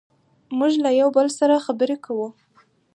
موږ له یو بل سره خبرې کوو.